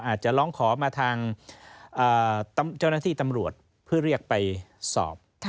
อาจจะร้องขอมาทางเจ้าหน้าที่ตำรวจเพื่อเรียกไปสอบ